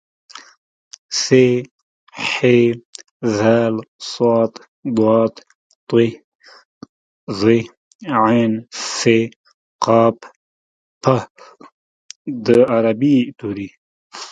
ث ح ذ ص ض ط ظ ع ف ق په د عربۍ توري